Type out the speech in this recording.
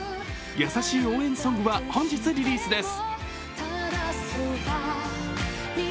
優しい応援ソングは本日リリースです。